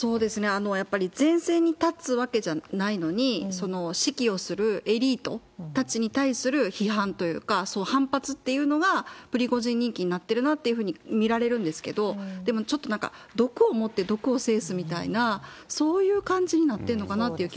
やっぱり前線に立つわけじゃないのに、指揮をするエリートたちに対する批判というか、反発というのがプリゴジンびいきになってるなって見られるんですけど、でも、ちょっとなんか毒をもって毒を制すみたいな、そういう感じになっ